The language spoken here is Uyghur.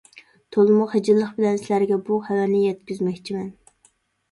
تولىمۇ خىجىللىق بىلەن سىلەرگە بۇ خەۋەرنى يەتكۈزمەكچىمەن.